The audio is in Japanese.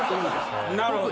・なるほど！